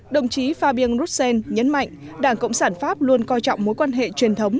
đồng chí fabien roussen nhấn mạnh đảng cộng sản pháp luôn coi trọng mối quan hệ truyền thống